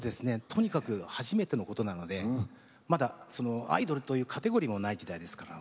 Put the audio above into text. とにかく初めてのことなのでまだアイドルというカテゴリーもない時代ですから。